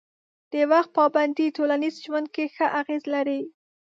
د وخت پابندي ټولنیز ژوند کې ښه اغېز لري.